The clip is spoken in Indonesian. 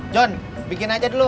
john bikin aja dulu